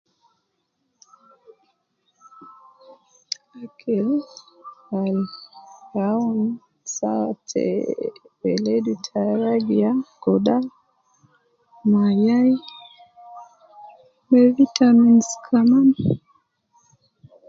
Akili al gi awun saha te weledu te ragi ya kudar, mayai me vitamins kaman